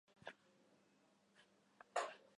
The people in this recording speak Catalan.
Un any després seria l'aniversari de l'esdeveniment.